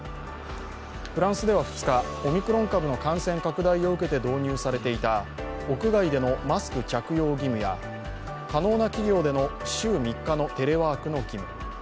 フランスでは２日、オミクロン株の感染拡大を受けて導入されていた屋外でのマスク着用義務や可能な企業での週３日のテレワークの義務